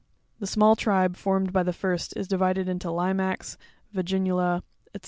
The small tribe formed by the first is divided into Limax, Vaginula, &c.